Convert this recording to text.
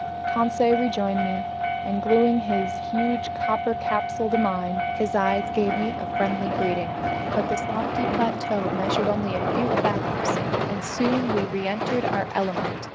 Conseil rejoined me, and gluing his huge copper capsule to mine, his eyes gave me a friendly greeting. But this lofty plateau measured only a few fathoms, and soon we reentered Our Element.